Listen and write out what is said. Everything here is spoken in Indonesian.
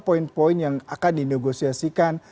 poin poin yang akan dinegosiasikan